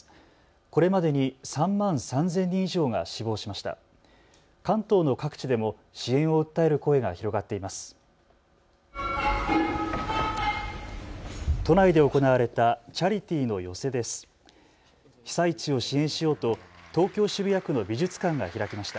これまでに３万３０００人以上が死亡しました。